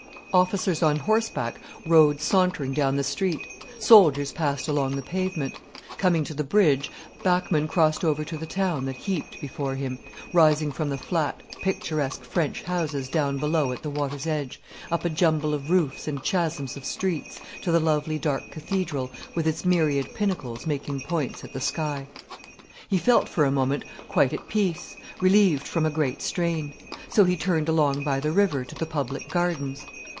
Officers on horseback rode sauntering down the street, soldiers passed along the pavement. Coming to the bridge, Bachmann crossed over to the town that heaped before him, rising from the flat, picturesque French houses down below at the water's edge, up a jumble of roofs and chasms of streets, to the lovely dark cathedral with its myriad pinnacles making points at the sky. He felt for the moment quite at peace, relieved from a great strain. So he turned along by the river to the public gardens.